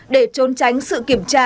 để trốn tránh sự kiểm tra